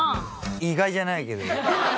意外じゃないけど。